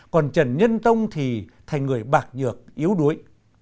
còn trần nhân tông thì thành người bạc nhược yếu đuối